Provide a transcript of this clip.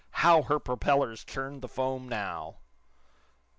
How her propellers churned the foam now!